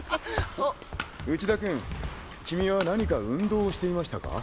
内田君君は何か運動をしていましたか？